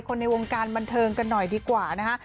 ในวงการบันเทิงกันหน่อยดีกว่านะคะ